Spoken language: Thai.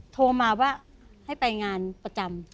โทรมาว่าให้ไปงานประจำ